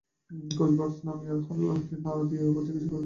Coach box হইতে নামিয়া হরলালকে নাড়া দিয়া আবার জিজ্ঞাসা করিল ।